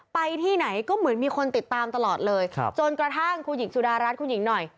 ไปที่ไหนก็เหมือนมีคนติดตามตลอดเลยจนกระทั่งคุณหญิงสุดารัฐคุณหญิงหน่อย